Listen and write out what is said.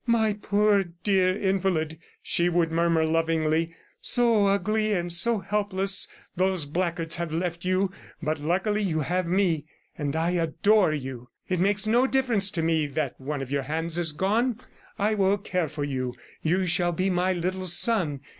"My poor, dear invalid," she would murmur lovingly. "So ugly and so helpless those blackguards have left you! ... But luckily you have me, and I adore you! ... It makes no difference to me that one of your hands is gone. I will care for you; you shall be my little son.